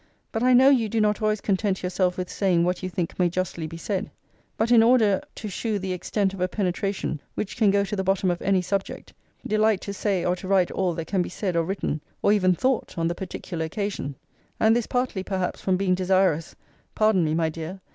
But I know you do not always content yourself with saying what you think may justly be said; but, in order the shew the extent of a penetration which can go to the bottom of any subject, delight to say or to write all that can be said or written, or even thought, on the particular occasion; and this partly perhaps from being desirous [pardon me, my dear!